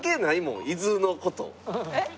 えっ？